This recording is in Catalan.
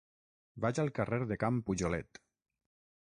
Vaig al carrer de Can Pujolet.